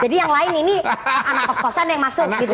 jadi yang lain ini anak kos kosan yang masuk